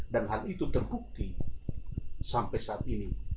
dan hal itu terbukti sampai saat ini